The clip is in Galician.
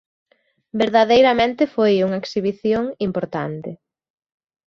Verdadeiramente foi unha exhibición importante.